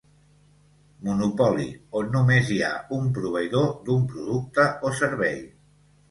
Monopoli, on només hi ha un proveïdor d'un producte o servei.